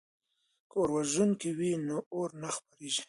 که اوروژونکي وي نو اور نه خپریږي.